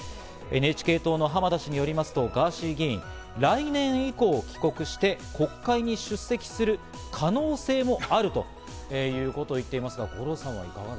ＮＨＫ党の浜田氏によりますとガーシー議員、来年以降、帰国して国会に出席する可能性もあるということを言っていますが、五郎さん。